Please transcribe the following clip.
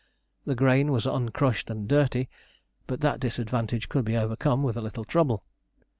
The grain was uncrushed and dirty, but that disadvantage could be overcome with a little trouble.